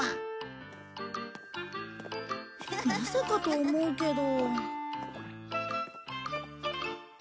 まさかと思うけど。